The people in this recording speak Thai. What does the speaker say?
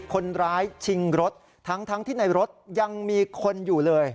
คนร้ายชิงรถทั้งที่ในรถยังมีคนอยู่เลย